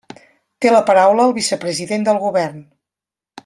Té la paraula el vicepresident del Govern.